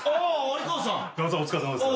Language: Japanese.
お疲れさまです。